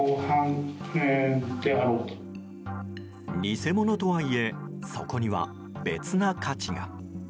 偽物とはいえそこには別な価値が。